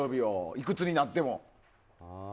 いくつになっても。